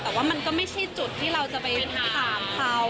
แต่ว่ามันก็ไม่ใช่จุดที่เราจะไปถามเขา